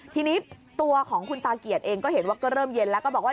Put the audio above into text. ทีนี้ตัวของคุณตาเกียจเองก็เห็นว่าก็เริ่มเย็นแล้วก็บอกว่า